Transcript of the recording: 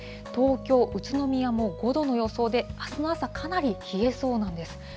東京、宇都宮も５度の予想で、あすの朝、かなり冷えそうなんです。